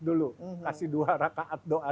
dulu kasih dua rakaat doa